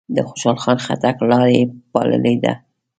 د خوشحال خان خټک لار یې پاللې ده.